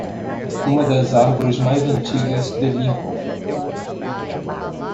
Uma das árvores mais antigas de Lincoln.